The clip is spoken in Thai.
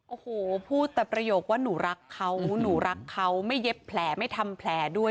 โอ้โหพูดแต่ประโยคว่าหนูรักเขาหนูรักเขาไม่เย็บแผลไม่ทำแผลด้วย